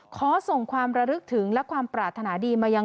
ขอส่งความระลึกถึงและความปรารถนาดีมายัง